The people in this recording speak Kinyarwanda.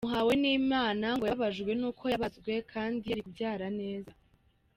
Muhawenimana ngo yababajwe n’uko yabazwe kandi yari kubyara neza.